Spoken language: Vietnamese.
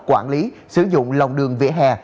quản lý sử dụng lòng đường vỉa hè